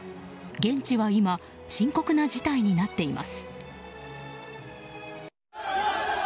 現地は今深刻な事態になっています。